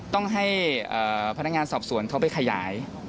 ต้องให้พนักงานสอบสวนเขาไปขยาย